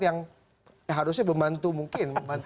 yang harusnya membantu mungkin